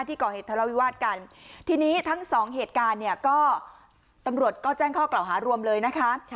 ก่อเหตุทะเลาวิวาสกันทีนี้ทั้งสองเหตุการณ์เนี่ยก็ตำรวจก็แจ้งข้อกล่าวหารวมเลยนะคะ